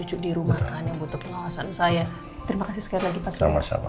cucu cucu dirumahkan yang butuh pengawasan saya terima kasih sekali lagi pas sama sama